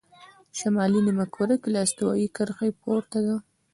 شمالي نیمهکره له استوایي کرښې پورته ده.